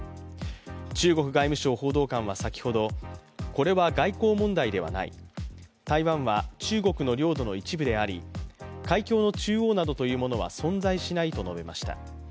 中国外務省報道官は先ほどこれは外交問題ではない、台湾は中国の領土の一部であり、海峡の中央などというものは存在しないと述べました。